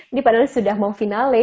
ini padahal sudah mau finale